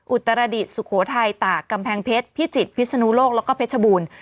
อุตรดิษฐสุโขทัยตากกำแพงเพชรพิจิตรพิศนุโลกแล้วก็เพชรบูรณ์